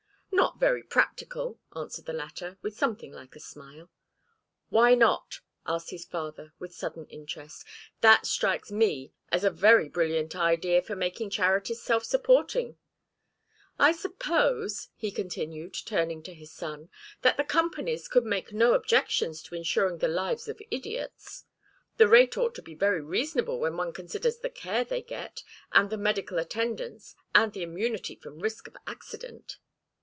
"Not very practical," answered the latter, with something like a smile. "Why not?" asked his father, with sudden interest. "That strikes me as a very brilliant idea for making charities self supporting. I suppose," he continued, turning to his son, "that the companies could make no objections to insuring the lives of idiots. The rate ought to be very reasonable when one considers the care they get, and the medical attendance, and the immunity from risk of accident."